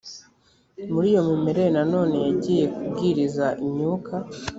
muri iyo mimerere nanone yagiye kubwiriza imyuka